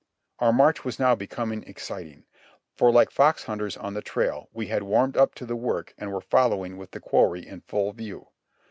Our march was now becoming exciting, for like fox hunters on the trail, we had warmed up to the work and were following with the quarry in full view.